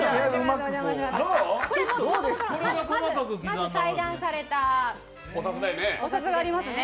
まず裁断されたお札がありますね。